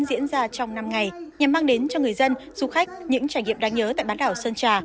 diễn ra trong năm ngày nhằm mang đến cho người dân du khách những trải nghiệm đáng nhớ tại bán đảo sơn trà